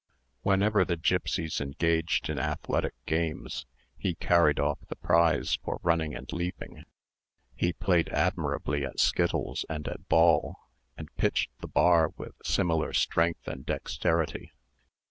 Whenever the gipsies engaged in athletic games, he carried off the prize for running and leaping: he played admirably at skittles and at ball, and pitched the bar with singular strength and dexterity.